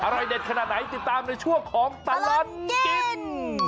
เด็ดขนาดไหนติดตามในช่วงของตลอดกิน